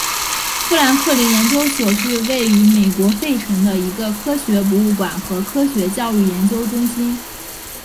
富兰克林研究所是位于美国费城的一个科学博物馆和科学教育研究中心。